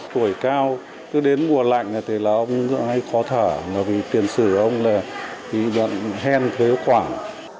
tuổi cao cứ đến mùa lạnh thì ông hay có thở vì tiền xử ông là vì dẫn hen thuế quảng